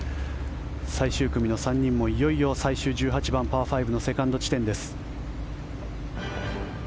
最終組の３人もいよいよ最終１８番、パー５セカンド地点です。